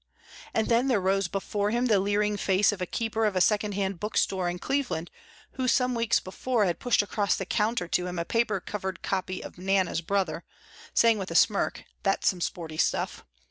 And then there rose before him the leering face of a keeper of a second hand book store in Cleveland who some weeks before had pushed across the counter to him a paper covered copy of "Nana's Brother," saying with a smirk, "That's some sporty stuff."